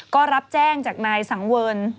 ก็รับแจ้งจากนายสังเวิร์น